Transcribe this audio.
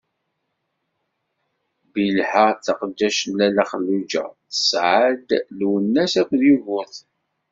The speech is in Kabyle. Bilha, taqeddact n Lalla Xelluǧa tesɛa-as-d: Lwennas akked Yugurten.